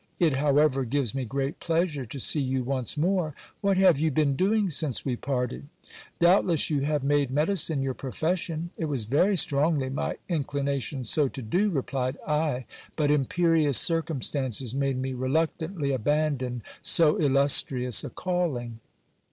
It, how ever, gives me great pleasure to see you once more. What have you been doing since we parted ? Doubtless you have made medicine your profession. It was very strongly my inclination so to do, replied I ; but imperious circum stances made me reluctantly abandon so illustrious a calling.